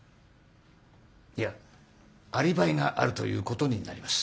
いやアリバイがあるということになります。